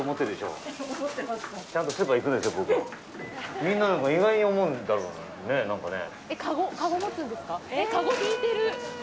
みんな、意外に思うんだろうね、なんかねぇ。